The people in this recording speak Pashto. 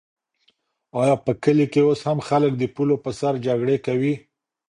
آیا په کلي کې اوس هم خلک د پولو په سر جګړې کوي؟